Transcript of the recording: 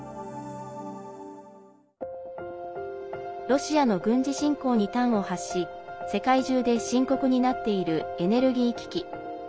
ロシアの軍事侵攻に端を発し世界中で深刻になっているエネルギー危機。